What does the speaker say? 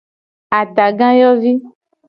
Atagayovi.